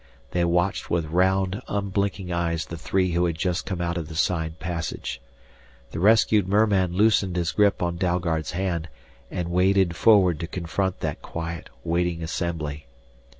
They watched with round, unblinking eyes the three who had just come out of the side passage. The rescued merman loosened his grip on Dalgard's hand and waded forward to confront that quiet, waiting assembly.